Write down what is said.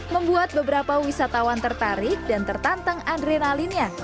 membuat beberapa wisatawan tertarik dan tertantang adrenalinnya